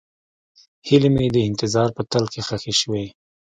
هیلې مې د انتظار په تل کې ښخې شوې.